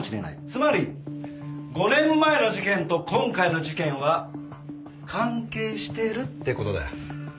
つまり５年前の事件と今回の事件は関係してるって事だ。